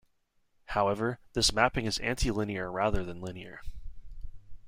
However, this mapping is antilinear rather than linear.